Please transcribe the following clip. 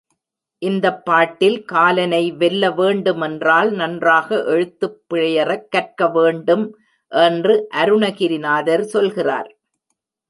இந்தப் பாட்டில், காலனை வெல்ல வேண்டுமென்றால் நன்றாக எழுத்துப் பிழையறக் கற்க வேண்டும் என்று அருணகிரிநாதர் சொல்கிறார்.